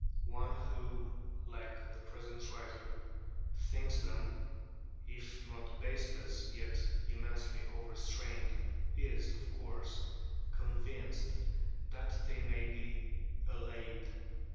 One who (like the present writer) thinks them, if not baseless, yet immensely overstrained, is, of course, convinced that they may be allayed.